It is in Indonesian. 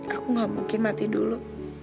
aku gak mungkin mati dulu